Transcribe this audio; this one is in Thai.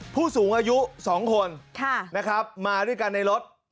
ผู้สูงอายุ๒คนนะครับมาด้วยกันในรถ